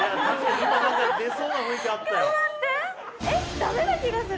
ダメな気がする。